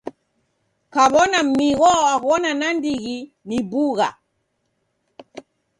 Kaw'ona migho waghona nandighi ni bugha!